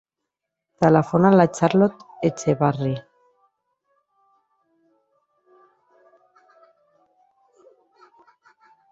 Telefona a la Charlotte Echavarri.